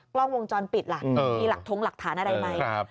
กล้องวงจรปิดล่ะมีหลักทงหลักฐานอะไรไหม